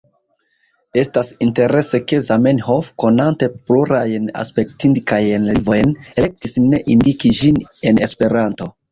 Estas interese ke Zamenhof, konante plurajn aspektindikajn lingvojn, elektis ne indiki ĝin en Esperanto.